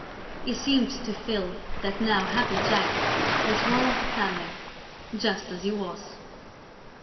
He seemed to feel that now Happy Jack was one of the family, just as he was.